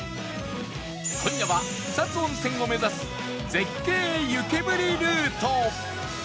今夜は草津温泉を目指す絶景湯煙ルート